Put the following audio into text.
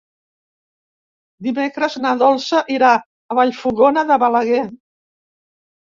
Dimecres na Dolça irà a Vallfogona de Balaguer.